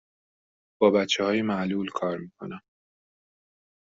با بچه های معلول کار می کنم.